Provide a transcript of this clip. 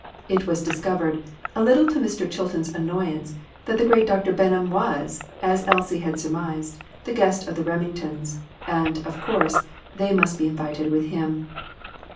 It was discovered, a little to Mr. Chilton's annoyance, that the great Dr. Benham was, as Elsie had surmised, the guest of the Remingtons, and, of course, they must be invited with him.